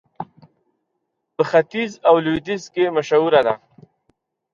په ختيځ او لوېديځ کې مشهوره ده.